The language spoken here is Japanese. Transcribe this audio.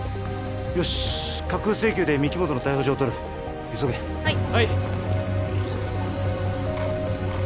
よし架空請求で御木本の逮捕状を取る急げはい